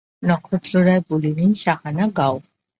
নক্ষত্ররায় বলিলেন, সাহানা গাও।